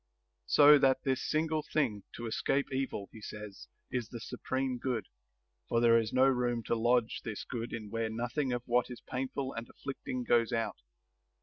So that this single thing, to escape evil, he says, is the supreme good ; for there is no room to lodge this good in where nothing of what is painful and afflicting goes out.